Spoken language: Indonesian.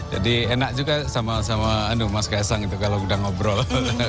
jadi enak juga sama sama mas kaisang itu kalau sudah ngobrol